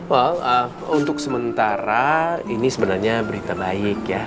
well untuk sementara ini sebenarnya berita baik ya